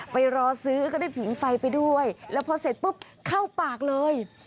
ไปรอซื้อก็ได้ผิงไฟไปด้วยแล้วพอเสร็จปุ๊บเข้าปากเลย